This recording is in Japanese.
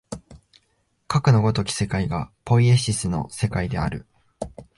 かくの如き世界がポイエシスの世界である。